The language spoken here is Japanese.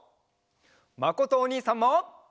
まことおにいさんも！